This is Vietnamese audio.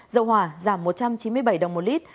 dầu hỏa giảm một trăm chín mươi bảy đồng một lít